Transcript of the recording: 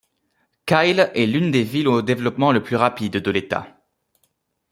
Kyle est l’une des villes au développement le plus rapide de l’État.